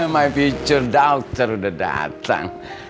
my future daughter udah dateng